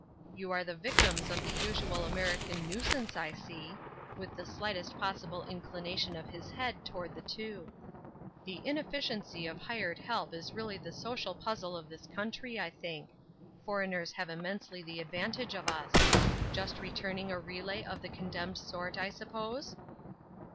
" You are the victims of the usual American nuisance, I see," with the slightest possible inclination of his head toward the two. 336 Ruth Erskines Crosses. *' The inefficiency of hired help is really the social puzzle of this country, I think. For eigners have immensely the advantage of us. Just returning a relay :>f the condemned sort I suppose